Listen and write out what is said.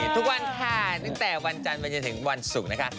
ทุกวันค่ะตั้งแต่วันจันทร์ไปจนถึงวันศุกร์นะคะ